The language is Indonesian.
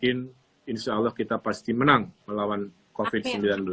bersamaan saya yakin insyaallah kita pasti menang melawan covid sembilan belas